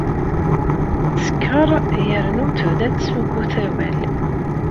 Teskeṛ yernu tebda tessuggut awal.